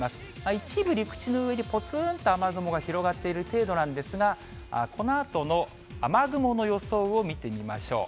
一部陸地の上にぽつんと雨雲が広がっている程度なんですが、このあとの雨雲の予想を見てみましょう。